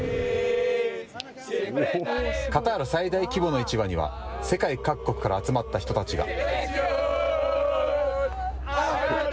カタール最大規模の市場には世界各国から集まった人たちが。